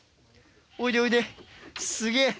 おいでおいですげぇ。